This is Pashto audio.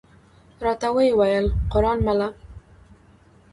راته وې ویل: قران مله!